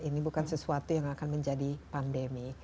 ini bukan sesuatu yang akan menjadi pandemi